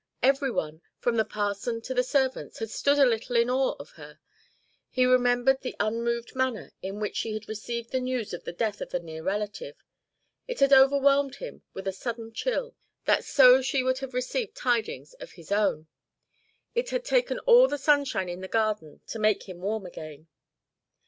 Every one, from the parson to the servants, had stood a little in awe of her. He remembered the unmoved manner in which she had received the news of the death of a near relative. It had overwhelmed him with a sudden chill, that so she would have received tidings of his own. It had taken all the sunshine in the garden to make him warm again.